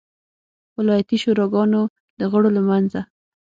ولایتي شوراګانو د غړو له منځه.